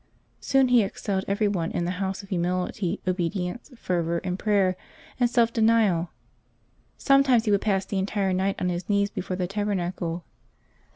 Soon he excelled every one in the house in humility, obedience, fervor in prayer, and self denial. Sometimes he would pass the entire night on his knees be fore the tabernacle.